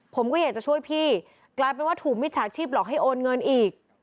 ผมก็อยากจะช่วยพี่กลายเป็นว่าถูกมิจฉาชีพหลอกให้โอนเงินอีก